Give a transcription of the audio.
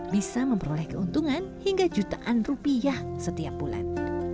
bisa memperoleh keuntungan hingga jutaan rupiah setiap bulan